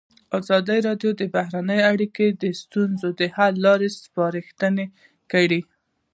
ازادي راډیو د بهرنۍ اړیکې د ستونزو حل لارې سپارښتنې کړي.